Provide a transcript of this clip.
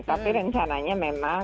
tapi rencananya memang